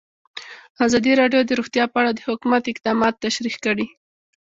ازادي راډیو د روغتیا په اړه د حکومت اقدامات تشریح کړي.